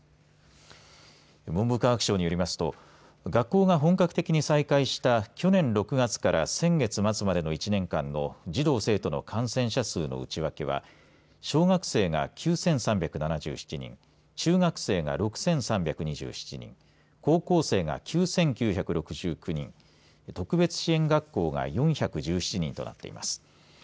文部科学省によりますと学校が本格的に再開した去年６月から先月末までの１年間の児童、生徒の感染者数の内訳は小学生が９３７７人中学生が６３２７人高校生が９９６９人特別支援学校が４１７人となっています。